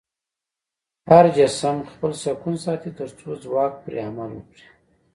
هر جسم خپل سکون ساتي تر څو ځواک پرې عمل وکړي.